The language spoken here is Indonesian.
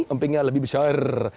empingnya lebih besar